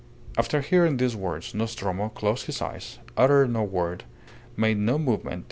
After hearing these words, Nostromo closed his eyes, uttered no word, made no movement.